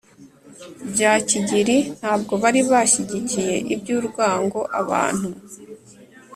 bya Kigiriki ntabwo bari bashyigikiye iby urwango abantu